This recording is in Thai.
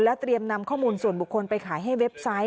เตรียมนำข้อมูลส่วนบุคคลไปขายให้เว็บไซต์